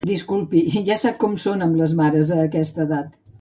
Disculpi, ja sap com són amb les mares, a aquesta edat.